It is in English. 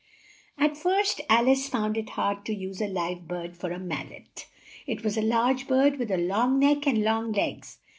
At first Al ice found it hard to use a live bird for a mal let. It was a large bird with a long neck and long legs.